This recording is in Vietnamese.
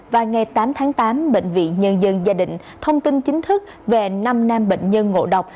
và ngày tám tháng tám bệnh viện nhân dân gia đình thông tin chính thức về năm nam bệnh nhân ngộ độc